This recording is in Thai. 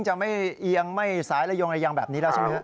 จะไม่เอียงไม่สายระยงระยางแบบนี้แล้วใช่ไหม